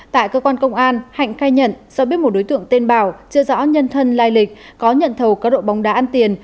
tại cơ quan công an hạnh khai nhận do biết một đối tượng tên bảo chưa rõ nhân thân lai lịch có nhận thầu cá độ bóng đá ăn tiền